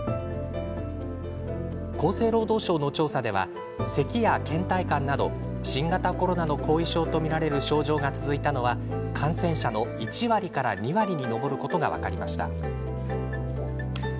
厚生労働省の調査ではせきや、けん怠感など新型コロナの後遺症と見られる症状が続いたのは感染者の１割から２割に上ることが分かりました。